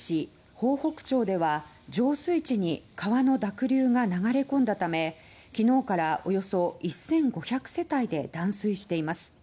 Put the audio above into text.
豊北町では浄水池に川の濁流が流れ込んだため昨日からおよそ１５００世帯で断水しています。